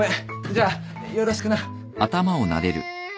じゃあよろしくな。